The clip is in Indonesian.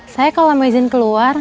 saya kalau lama izin keluar